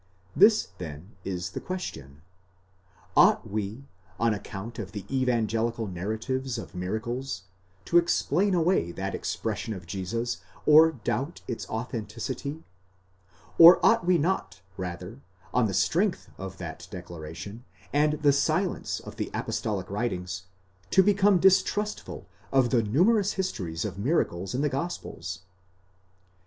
This then is the question: Ought we, on account of the evangelical narratives of miracles, to explain away that expression of Jesus, or doubt its authenticity; or ought we not, rather, on the strength of that declaration, and the silence of the apostolic writings, to become distrustful of the numerous histories of miracles in the gospels